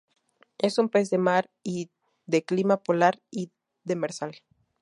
Es un pez de mar y de Clima polar y demersal.